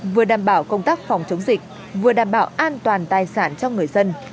vừa đảm bảo công tác phòng chống dịch vừa đảm bảo an toàn tài sản cho người dân